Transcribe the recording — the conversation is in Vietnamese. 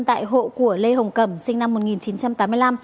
tại hộ của lê hồng cẩm sinh năm một nghìn chín trăm tám mươi năm